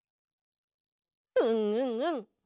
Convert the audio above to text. うんうんうん！